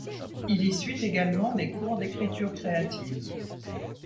Il y suit également des cours d’écriture créative.